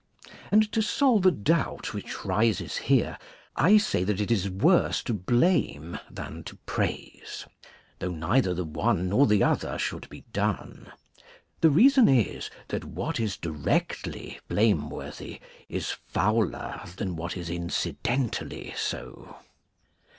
And to solve a doubt which rises here, I say that it is worse to blame than to praise, though neither the one nor the other should be done. The reason is, that what is directly blameworthy is fouler than what is incidentally so.